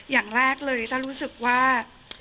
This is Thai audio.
อย่างแรกริตรูสึกว่า